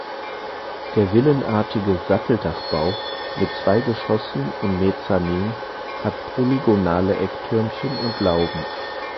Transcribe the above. Der villenartige Satteldachbau mit zwei Geschossen und Mezzanin hat polygonale Ecktürmchen und Lauben.